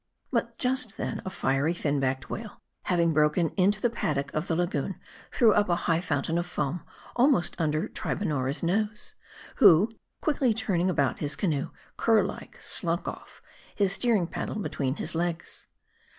But just then a fiery fin back whale, having broken into the paddock of the lagoon, threw up a high fountain of foam, almost under Tribonnora's nose ; who, quickly turning about his canoe, cur like slunk off; his steering paddle between his legs.